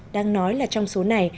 đang nói là trong số này